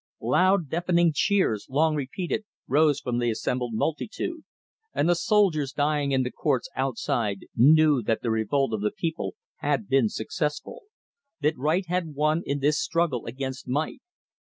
Loud deafening cheers, long repeated, rose from the assembled multitude, and the soldiers dying in the courts outside knew that the revolt of the people had been successful; that right had won in this struggle against might.